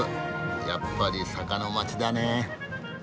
やっぱり坂の街だね。